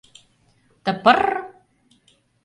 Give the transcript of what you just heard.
— Тпр-р!